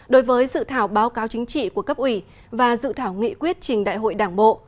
đối với dự thảo báo cáo chính trị của cấp ủy và dự thảo nghị quyết trình đại hội đảng bộ